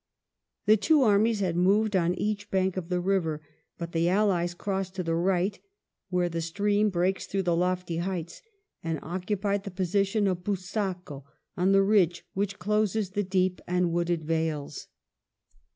The two armies had moved on each bank of the river, but the Allies crossed to the right where the stream breaks through the lofty heights, and occupied the position of Busaco on the ridge which closes the deep and wooded vales.